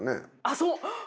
あっそう！